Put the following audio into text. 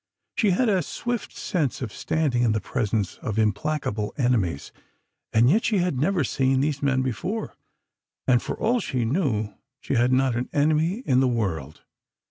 She had a swift sense of standing in the presence of implacable enemies, and yet she had never seen these men before, and, for all she knew, she had not an enemy in the world.